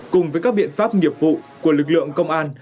cùng với các biện pháp nghiệp vụ của lực lượng công an